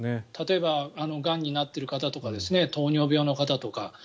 例えば、がんになっている方とか糖尿病の方とか。